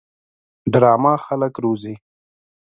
ډرامه خلک روزي